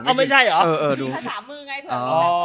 มีภาษามือไงเถอะ